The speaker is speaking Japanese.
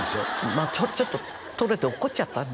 まあちょっと取れて落っこっちゃったんですよね